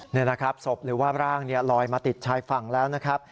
นี่นะครับศพหรือว่าร่างลอยมาติดชายฝั่งแล้วนะครับ